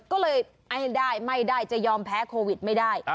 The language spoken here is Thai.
ก็เลยให้ได้ไม่ได้จะยอมแพ้โควิดไม่ได้